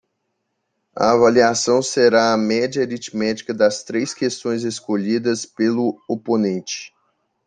A avaliação será a média aritmética das três questões escolhidas pelo oponente.